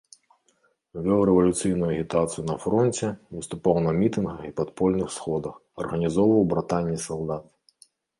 Вёў рэвалюцыйную агітацыю на фронце, выступаў на мітынгах і падпольных сходах, арганізоўваў братанне салдат.